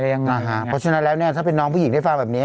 เพราะฉะนั้นแล้วเนี่ยถ้าเป็นน้องผู้หญิงได้ฟังแบบนี้